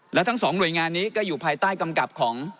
และทั้งสองหน่วยงานนี้ก็อยู่ภายใต้กำกับของ